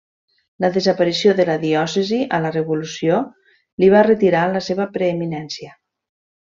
La desaparició de la diòcesi a la Revolució li va retirar la seva preeminència.